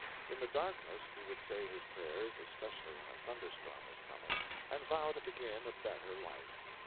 In the darkness he would say his prayers, especially when a thunderstorm was coming, and vow to begin a better life.